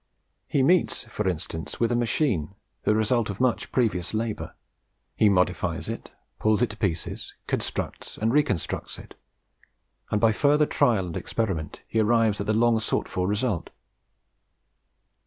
He meets, for instance, with a machine, the result of much previous labour; he modifies it, pulls it to pieces, constructs and reconstructs it, and by further trial and experiment he arrives at the long sought for result."